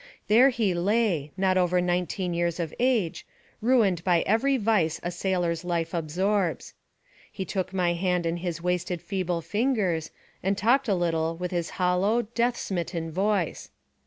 There he lay, not over nineteen years of age, ruined by every vice a sailor's life absorbs. He took my hand in his wasted feeble fingers, and talked a little with his hollow, death smitten voice.